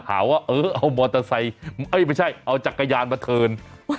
ใช่ไหมเราเดี๋ยวเขาจะหาว่าเอาจักรยานมาเทิน